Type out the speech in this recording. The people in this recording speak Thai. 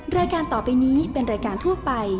รายการต่อไปนี้เป็นรายการทั่วไป